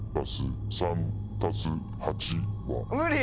無理！